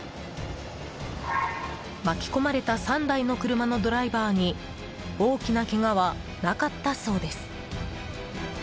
巻き込まれた３台の車のドライバーに大きなけがはなかったそうです。